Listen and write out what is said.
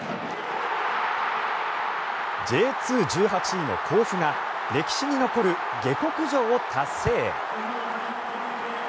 Ｊ２、１８位の甲府が歴史に残る下克上を達成。